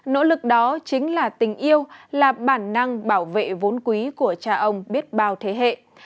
nỗ lực đó chính là tình yêu là bản năng bảo vệ vốn quý của cha ông biết bao thế hệ